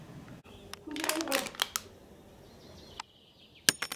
খুঁজে বের কর।